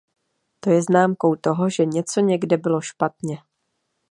To je známkou toho, že něco někde bylo špatně.